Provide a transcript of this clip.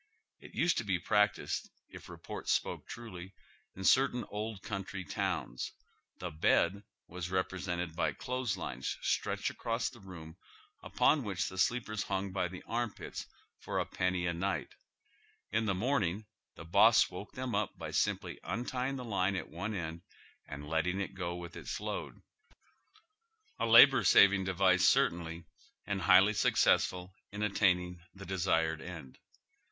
It used to be practised, if report spoke truly, in certain old country towns. The " bed " was represented by clothes lines stretched across the room upon which the sleepers hung by the arm pits for a penny a night. In the morning the boss woke them up by simply untying the line at one end and letting it go oy Google THE CHEAP LODGING HOUSES, 89 with its load ; a labor saving device certaiuly, and highly successful Iq attaining the desired end.